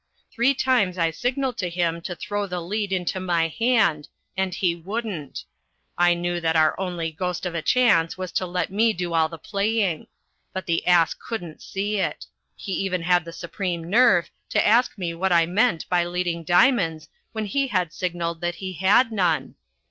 Three times I signalled to him to throw the lead into my hand and he wouldn't: I knew that our only ghost of a chance was to let me do all the playing. But the ass couldn't see it. He even had the supreme nerve to ask me what I meant by leading diamonds when he had signalled that he had none.